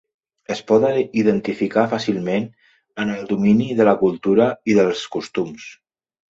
Es poden identificar fàcilment en el domini de la cultura i dels costums.